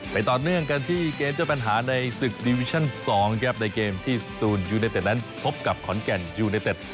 ต่อเนื่องกันที่เกมเจ้าปัญหาในศึกดิวิชั่น๒ครับในเกมที่สตูนยูเนเต็ดนั้นพบกับขอนแก่นยูเนเต็ด